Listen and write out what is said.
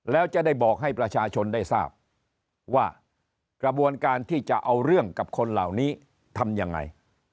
แล้วจะได้บอกให้ประชาชนได้ทราบว่ากระบวนการที่จะเอาเรื่องกับคนเหล่านี้ทำยังไง